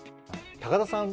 高田さん